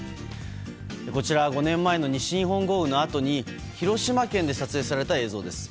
こちらは５年前の西日本豪雨のあとに広島県で撮影された映像です。